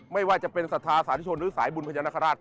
ไม่ว่าจะเป็นศรัทธาสาธุชนหรือสายบุญพญานาคาราช